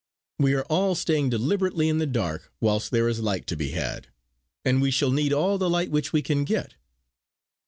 We are all staying deliberately in the dark, whilst there is light to be had; and we shall need all the light which we can get."